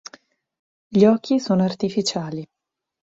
Gli occhi sono artificiali.